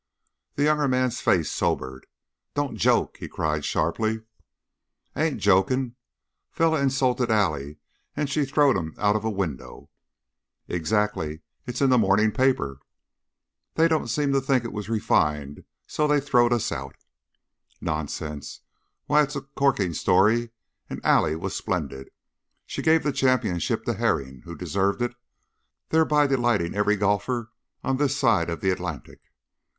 The younger man's face sobered. "Don't joke!" he cried, sharply. "I ain't joking. Feller insulted Allie and she throwed him out of a window " "Exactly! It's in the morning paper." "They don't seem to think it was reefined, so they throwed us out." "Nonsense! Why, it is a corking story, and Allie was splendid she gave the championship to Herring, who deserved it, thereby delighting every golfer on this side of the Atlantic.